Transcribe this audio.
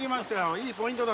いいポイントだ